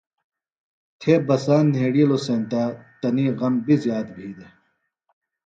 تھے بساند نھیڑِیلوۡ سینتہ تنی غم بیۡ زیات بھی دےۡ